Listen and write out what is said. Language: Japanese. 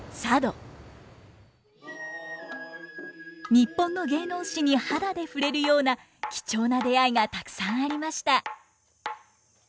日本の芸能史に肌で触れるような貴重な出会いがたくさんありました。